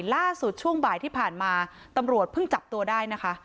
ล่าสุดช่วงบ่ายที่ผ่านมาตำรวจเพิ่งจับตัวได้นะคะ